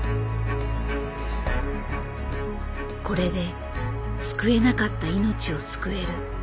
これで救えなかった命を救える。